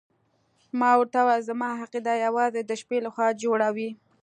ما ورته وویل زما عقیده یوازې د شپې لخوا جوړه وي.